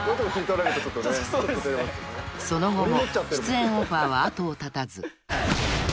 ［その後も出演オファーは後を絶たず］